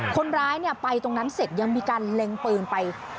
คนร้ายไปตรงนั้นเสร็จยังมีการเล็งปืนไป